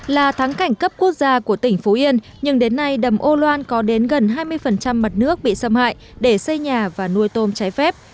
là thắng cảnh cấp quốc gia của tỉnh phú yên nhưng đến nay đầm âu loan có đến gần hai mươi mặt nước bị xâm hại để xây nhà và nuôi tôm trái phép